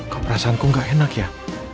kok perasaanku gak enak ya